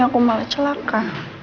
aku malah celaka